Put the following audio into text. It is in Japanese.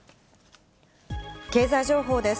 経済情報です。